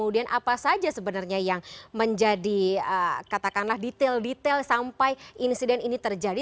detail sampai insiden ini terjadi